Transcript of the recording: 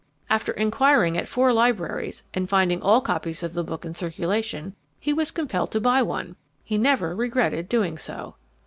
After inquiring at four libraries, and finding all copies of the book in circulation, he was compelled to buy one. He never regretted doing so.)